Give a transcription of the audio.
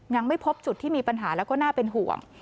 ยังไม่พบจุดที่มีปัญหาแล้วก็น่าเป็นห่วง